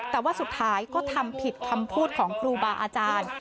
แต่ว่าสุดท้ายก็ทำผิดคำพูดของครูบาอาจารย์